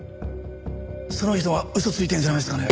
その人は嘘ついてるんじゃないですかね。